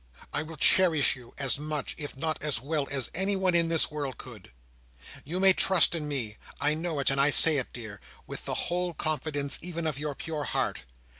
I will cherish you, as much, if not as well as anyone in this world could. You may trust in me—I know it and I say it, dear,—with the whole confidence even of your pure heart.